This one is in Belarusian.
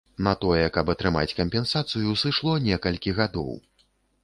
На тое, каб атрымаць кампенсацыю, сышло некалькі гадоў.